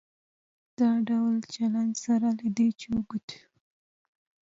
دا ډول چلن سره له دې چې اوږد شو.